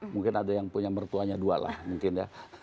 mungkin ada yang punya mertuanya dua lah mungkin ya